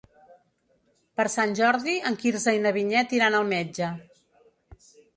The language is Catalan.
Per Sant Jordi en Quirze i na Vinyet iran al metge.